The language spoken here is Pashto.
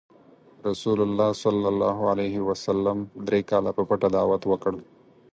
رسول الله ﷺ دری کاله په پټه دعوت وکړ.